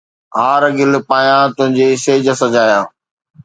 ھار ڳل پايان تنهنجي سيج سجايان